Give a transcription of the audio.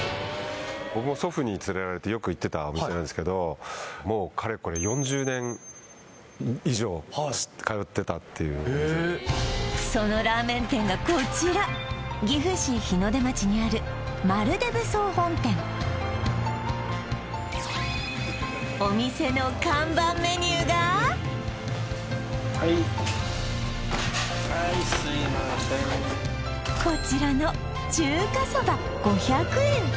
僕も祖父に連れられてよく行ってたお店なんですけどもうかれこれ４０年以上通ってたっていうお店でそのラーメン店がこちら岐阜市日ノ出町にある丸デブ総本店お店の看板メニューがはいはいすいませんこちらの中華そば５００円